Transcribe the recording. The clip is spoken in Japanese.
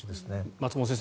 松本先生